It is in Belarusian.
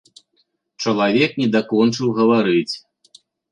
Чалавек не дакончыў гаварыць.